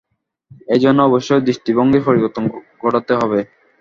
এ জন্য অবশ্যই দৃষ্টিভঙ্গির পরিবর্তন ঘটাতে হবে।